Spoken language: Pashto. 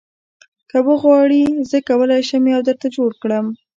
که وغواړې زه کولی شم یو درته جوړ کړم